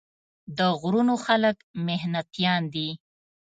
د غرونو خلک محنتيان دي ـ